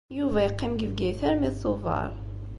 Yuba yeqqim deg Bgayet armi d Tubeṛ.